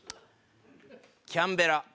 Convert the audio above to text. キャンベラ。